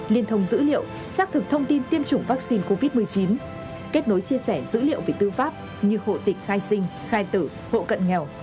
liên thông dữ liệu xác thực thông tin tiêm chủng vaccine covid một mươi chín kết nối chia sẻ dữ liệu về tư pháp như hộ tịch khai sinh khai tử hộ cận nghèo